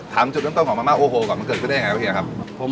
จุดเริ่มต้นของมาม่าโอ้โหก่อนมันเกิดขึ้นได้ยังไงครับเฮียครับ